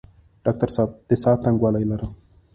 ډاکټر صاحب د ساه تنګوالی لرم؟